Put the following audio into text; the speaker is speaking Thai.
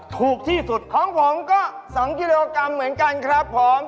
ผมก็๒กิโลกรัมเหมือนกันครับผม